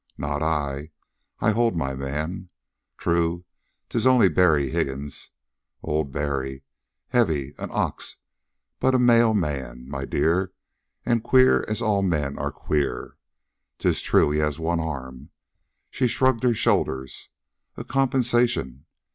Not I. I hold my man. True, 'tis only Barry Higgins old Barry, heavy, an ox, but a male man, my dear, and queer as all men are queer. 'Tis true, he has one arm." She shrugged her shoulders. "A compensation.